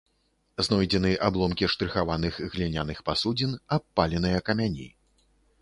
Знойдзены абломкі штрыхаваных гліняных пасудзін, абпаленыя камяні.